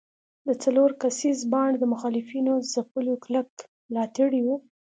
د څلور کسیز بانډ د مخالفینو ځپلو کلک ملاتړي وو.